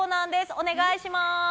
お願いします。